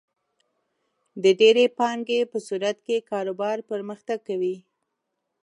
د ډېرې پانګې په صورت کې کاروبار پرمختګ کوي.